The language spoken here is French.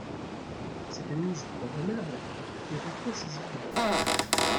Cette mise « convenable » déroutait ses idées.